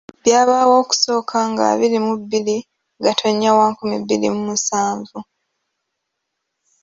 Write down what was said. Byabaawo okusooka ng'abiri mu bbiri Gatonnya wa nkumi bbiri mu musanvu.